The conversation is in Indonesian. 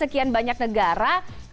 sekian banyak negara